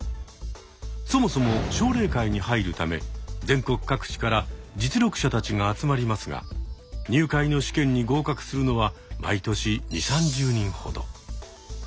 そもそも奨励会に入るため全国各地から実力者たちが集まりますが入会の試験に合格するのは毎年２０３０人ほど。